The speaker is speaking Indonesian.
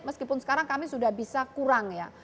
meskipun sekarang kami sudah bisa kurang ya